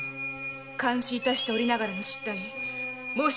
監視致しておりながらの失態申し訳ございません。